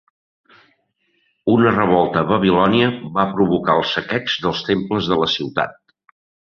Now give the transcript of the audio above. Una revolta a Babilònia va provocar el saqueig dels temples de la ciutat.